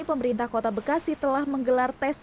pemerintah kota bekasi telah menggelar tes